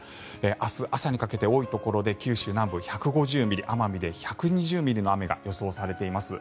明日朝にかけて多いところで九州南部、１５０ミリ奄美で１２０ミリの雨が予想されています。